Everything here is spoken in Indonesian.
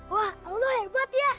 wah allah hebat ya